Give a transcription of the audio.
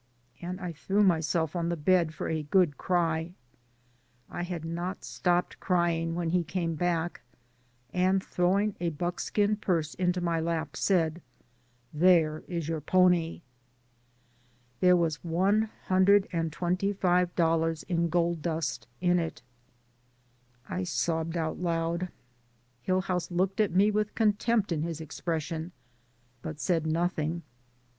And I threw my self on the bed for a good cry. I had not stopped crying when he came back, and throwing a buckskin purse into my lap, said : "There is your pony." There was one hundred and twenty five dollars in gold dust in it. I sobbed out loud. Hillhouse looked at me with contempt in his expression, but said nothing.